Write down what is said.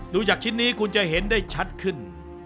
จากชิ้นนี้คุณจะเห็นได้ชัดขึ้น